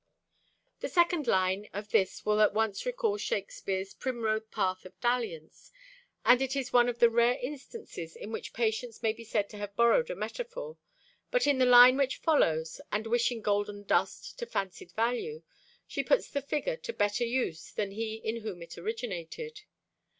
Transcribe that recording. The second line of this will at once recall Shakespeare's "primrose path of dalliance," and it is one of the rare instances in which Patience may be said to have borrowed a metaphor; but in the line which follows, "and wishing golden dust to fancied value," she puts the figure to better use than he in whom it originated.